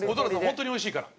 本当においしいから。